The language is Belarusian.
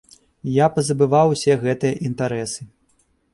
Я пазабываў усе гэтыя інтарэсы.